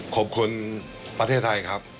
ขอบคุณประเทศไทยครับ